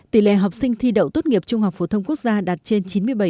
tỷ lệ học sinh thi đậu tốt nghiệp trung học phổ thông quốc gia đạt trên chín mươi bảy bốn mươi năm